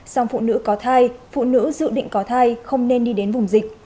song phụ nữ có thai phụ nữ dự định có thai không nên đi đến vùng dịch